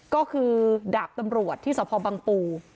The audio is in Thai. ก็คือดาบตำรวจที่สพบังปู